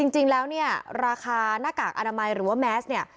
จริงแล้วเนี่ยราคาหน้ากากอนามัยหรือว่าแมสเนี่ย